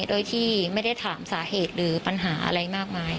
โดยที่ไม่ได้ถามสาเหตุหรือปัญหาอะไรมากมาย